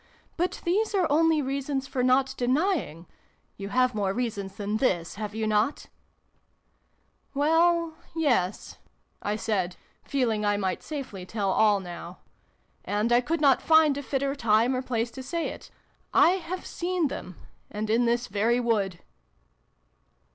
" But these are only reasons for not denying. You have more reasons than this, have you not ?"" Well, yes," I said, feeling I might safely tell all now. "And I could not find a fitter time or place to say it. I have seen them and in this very wood